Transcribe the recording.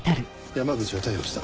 山口は逮捕した。